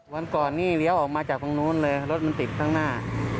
วันก่อนนี่เลี้ยวออกมาจากตรงนู้นเลยรถมันติดข้างหน้า